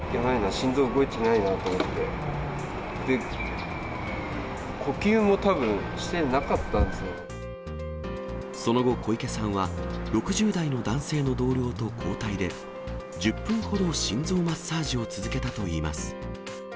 心臓動いていないなと思って、で、呼吸もたぶん、してなかったその後、小池さんは６０代の男性の同僚と交代で、１０分ほど心臓マッサージを続けたといいます。